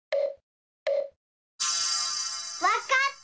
わかった！